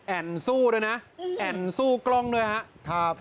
แอ่นสู้ด้วยนะแอ่นสู้กล้องด้วยครับ